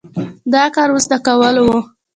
دا کار اوس د کولو و؟